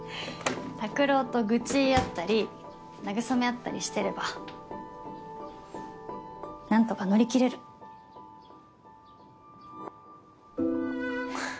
卓郎と愚痴言い合ったり慰め合ったりしてれば何とか乗り切れる。ははっ。